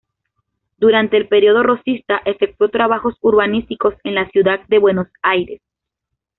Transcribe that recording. Durante el período rosista, efectuó trabajos urbanísticos en la ciudad de Buenos Aires.